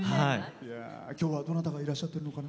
今日はどなたがいらっしゃってるのかな？